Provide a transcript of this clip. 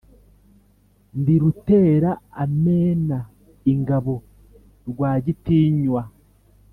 Ndi rutera amena ingabo Rwagitinywa,